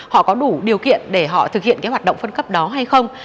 họ có đủ điều kiện để họ thực hiện cái hoạt động phân cấp đó hay không